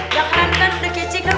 yang kan kan udah kece kan